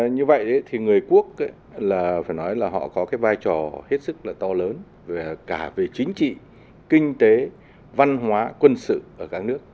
như vậy thì người quốc là phải nói là họ có cái vai trò hết sức là to lớn cả về chính trị kinh tế văn hóa quân sự ở các nước